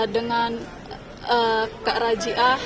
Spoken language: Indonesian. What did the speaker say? dengan kak rajia